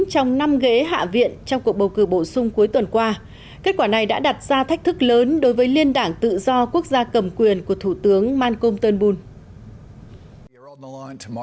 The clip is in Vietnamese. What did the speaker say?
trong năm ghế hạ viện trong cuộc bầu cử bổ sung cuối tuần qua kết quả này đã đặt ra thách thức lớn đối với liên đảng tự do quốc gia cầm quyền của thủ tướng malcom tân bùn